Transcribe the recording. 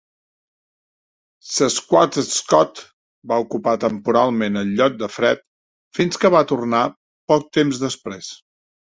C Squat's Scott va ocupar temporalment el lloc de Fred fins que va tornar poc temps després.